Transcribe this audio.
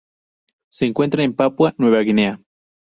Se encuentra en Papúa Nueva Guinea.